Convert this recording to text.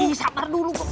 ih sabar dulu kok